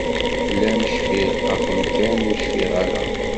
Fell-am cfiɣ, ɣef umkan ur cfiɣ ara.